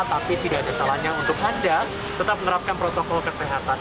tapi tidak ada salahnya untuk anda tetap menerapkan protokol kesehatan